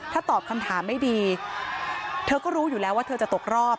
ถ้าตอบคำถามไม่ดีเธอก็รู้อยู่แล้วว่าเธอจะตกรอบ